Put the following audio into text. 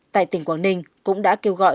tại tỉnh quảng ninh cũng đã kêu gọi